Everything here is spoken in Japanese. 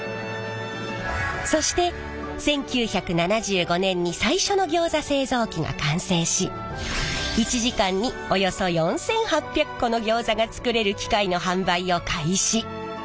そして１９７５年に最初のギョーザ製造機が完成し１時間におよそ４，８００個のギョーザが作れる機械の販売を開始。